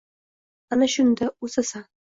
Ana shunda — o‘sasan!